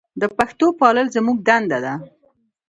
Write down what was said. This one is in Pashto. د پښتو پالل زموږ دنده ده.